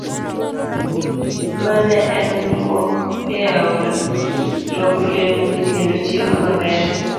A. mar Ne en lwok e aora, lwoko lewni, kendo chiemo maber